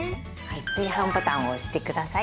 炊飯ボタンを押してください。